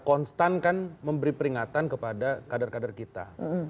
konstankan memberi peringatan kepada kader kader kita